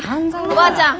おばあちゃん